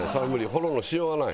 フォローのしようがない。